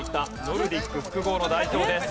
ノルディック複合の代表です。